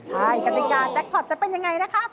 ใช่กติกาแจ็คพอร์ตจะเป็นยังไงนะครับ